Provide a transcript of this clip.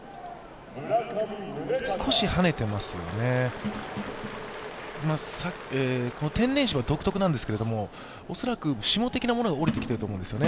少し跳ねていますよね、天然芝独特なんですけど、恐らく霜的なものがおりてきていると思うんですね。